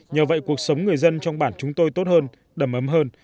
nhờ vậy cuộc sống người dân trong bản chúng tôi tốt hơn đầm ấm hơn